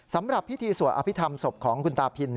สำหรับพิธีสวดอภิษฐรรมศพของคุณตาพิน